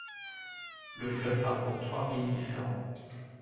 Le fleuve parcourt trois pays différents.